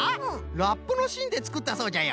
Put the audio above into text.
ラップのしんでつくったそうじゃよ。